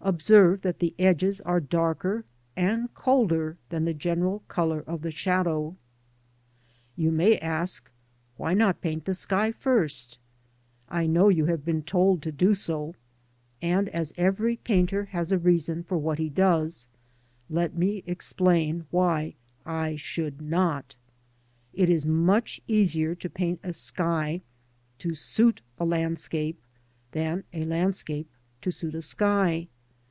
Observe that the edges are darker and colder than the general colour of the shadow. You may ask, ^' Why not paint the sky first ?" I know you have been told to do so, and as every painter has a reason for what he does, let me explain why I should not It is much easier to paint a sky to suit a landscape than a landscape to suit a sky.